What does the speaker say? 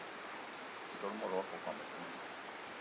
Ntol mot wakokóm ekut i?